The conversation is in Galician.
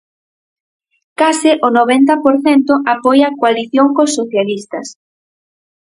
Case o noventa por cento apoia a coalición cos socialistas.